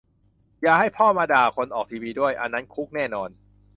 อย่าให้พ่อมาด่าคนออกทีวีด้วย อันนั้นคุกแน่นอน